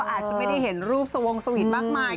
อาจจะไม่ได้เห็นรูปสวงสวีทมากมาย